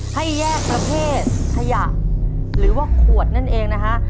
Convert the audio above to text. ให้แยกประเภทขยะหรือว่าขวดนั่นเองนะฮะ